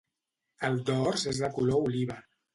El dors és de color oliva.